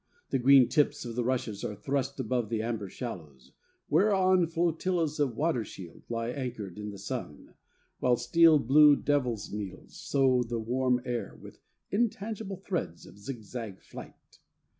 The green tips of the rushes are thrust above the amber shallows, whereon flotillas of water shield lie anchored in the sun, while steel blue devil's needles sew the warm air with intangible threads of zigzag flight.